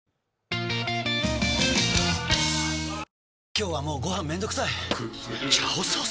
今日はもうご飯めんどくさい「炒ソース」！？